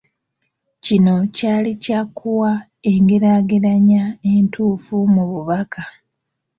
Kino kyali kyakuwa engeraageranya entuufu mu bubaka.